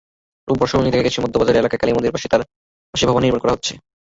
রোববার সরেজমিনে দেখা যায়, মধ্যবাজার এলাকার কালীমন্দিরের পাশে ভবন নির্মাণ করা হচ্ছে।